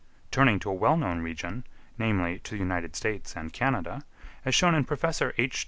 Turning to a well known region, namely, to the United States and Canada, as shown in Professor H.